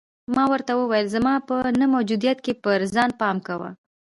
ما ورته وویل: زما په نه موجودیت کې پر ځان پام کوه.